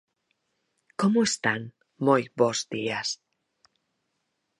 Como están? Moi bos días.